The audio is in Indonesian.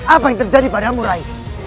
apa yang terjadi padamu rai